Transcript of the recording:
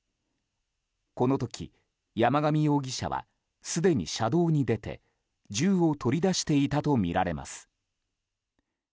この時、山上容疑者はすでに車道に出て銃を取り出していたとみられます。